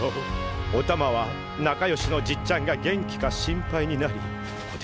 おたまは仲良しのじっちゃんが元気か心配になりこて